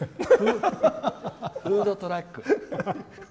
フードトラック」。